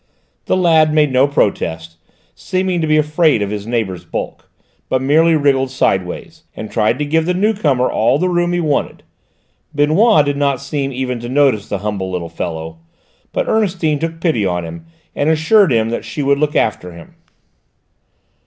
The lad made no protest, seeming to be afraid of his neighbour's bulk, but merely wriggled sideways and tried to give the new comer all the room he wanted. Benoît did not seem even to notice the humble little fellow, but Ernestine took pity on him and assured him that she would look after him.